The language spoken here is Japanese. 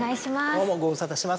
どうもご無沙汰してます。